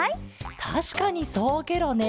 たしかにそうケロね。